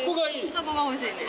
箱が欲しいんです。